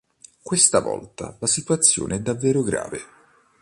Questa volta la situazione è davvero grave.